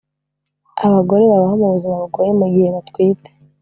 Abagore babaho mu buzima bugoye mu gihe batwite